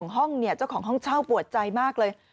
ห้องเจ้าของห้องเช่าปวดใจมากเลย